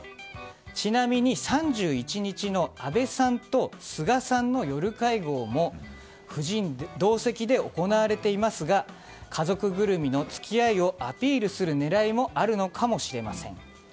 ちなみに、３１日の安倍さんと菅さんの夜会合も夫人同席で行われていますが家族ぐるみの付き合いをアピールする狙いもあるのかもしれません。